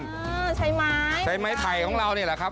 เออใช้ไม้ใช้ไม้ไผ่ของเรานี่แหละครับ